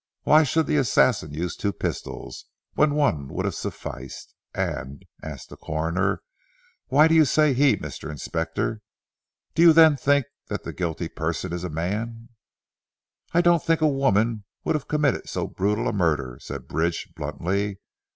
Why should the assassin use two pistols, when one would have sufficed? "And?" asked the Coroner, "why do you say 'he' Mr. Inspector? Do you then think that the guilty person is a man?" "I don't think a woman would have committed so brutal a murder," said Bridge bluntly.